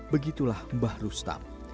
begitulah mbah rustam